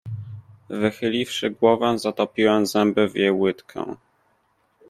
"Wychyliwszy głowę zatopiłem zęby w jej łydkę."